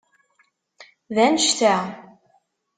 D annect-a?